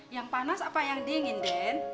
yang panas apa yang diingin den